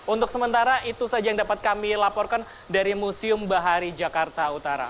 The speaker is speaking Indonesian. untuk sementara itu saja yang dapat kami laporkan dari museum bahari jakarta utara